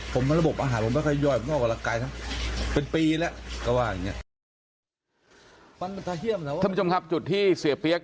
ท่านผู้ชมครับจุดที่เสียเปี๊ยก